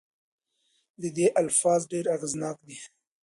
د ده الفاظ ډېر اغیزناک دي.